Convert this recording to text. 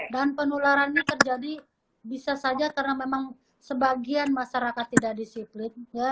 dan penularan ini terjadi bisa saja karena memang sebagian masyarakat tidak disiplin ya